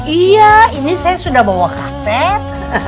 iya ini saya sudah bawa karet